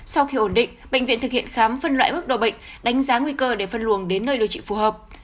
sau khi ổn định bệnh viện thực hiện khám phân loại bước đầu bệnh đánh giá nguy cơ để phân luồng đến nơi điều trị phù hợp